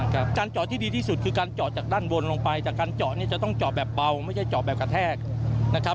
การจอดที่ดีที่สุดคือการเจาะจากด้านบนลงไปจากการเจาะเนี่ยจะต้องเจาะแบบเบาไม่ใช่เจาะแบบกระแทกนะครับ